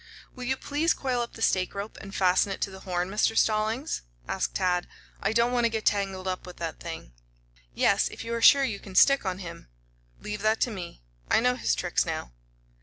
"Will you please coil up the stake rope and fasten it to the horn, Mr. Stallings?" asked Tad. "I don't want to get tangled up with that thing." "Yes, if you are sure you can stick on him." "Leave that to me. I know his tricks now."